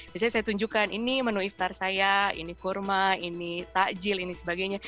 biasanya saya tunjukkan ini menu iftar saya ini kurma ini takjil ini sebagainya